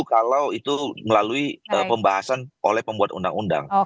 kalau itu melalui pembahasan oleh pembuat undang undang